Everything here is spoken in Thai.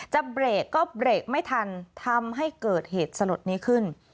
เบรกก็เบรกไม่ทันทำให้เกิดเหตุสลดนี้ขึ้น